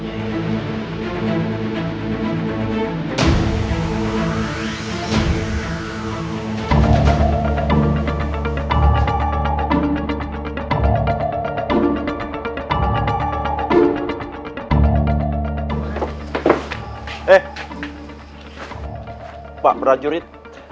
eh pak prajurit